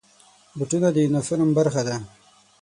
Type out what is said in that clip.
بوټونه د یونیفورم برخه ده.